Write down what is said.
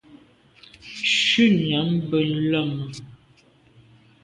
Shutnyàm be leme.